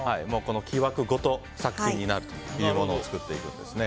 木枠ごと作品になるというものを作っていくんですね。